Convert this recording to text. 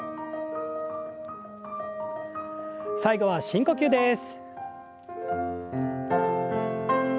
最後は深呼吸です。